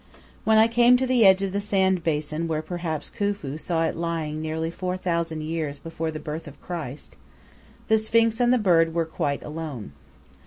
When I came to the edge of the sand basin where perhaps Khufu saw it lying nearly four thousand years before the birth of Christ, the Sphinx and the bird were quite alone.